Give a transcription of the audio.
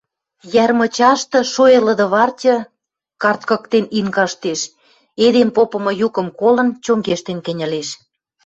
Йӓр мычашты шоэ лыды партьы карткыктен ин каштеш, эдем попымы юкым колын, чонгештен кӹньӹлеш.